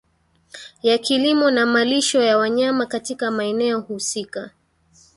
ya kilimo na malisho ya wanyama Katika maeneo husika